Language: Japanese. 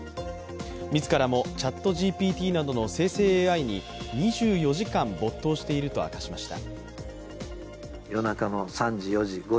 自らもＣｈａｔＧＰＴなどの生成ＡＩに２４時間没頭していると明かしました。